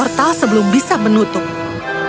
kapal kerajaan itu menutupi kapal kerajaan